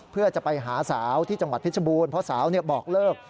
เพื่อจะไปหาสาวที่จังหวัดพิจชะบูรพอสาวบอกเริ่บ